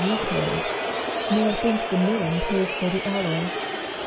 you carry, nor think the milling pays for the alloy.